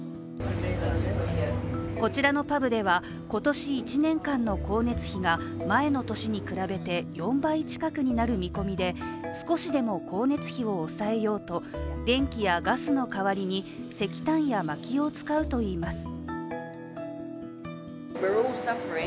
こちらのパブでは、今年１年間の光熱費が前の年に比べて４倍近くになる見込みで少しでも光熱費を抑えようと電気やガスの代わりに石炭や、まきを使うといいます。